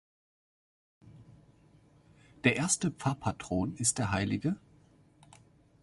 Der erste Pfarrpatron ist der hl.